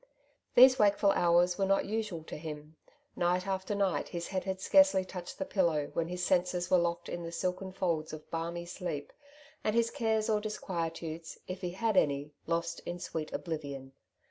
These wakeful hours were not usual to him ; night after night his head had scarcely touched the pillow, when his senses were locked in the silken folds of balmy sleep, and his cares or disquietudes, if he had any, lost in sweet oblivion.